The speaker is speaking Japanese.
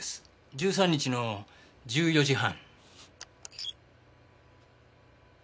１３日の１４時半。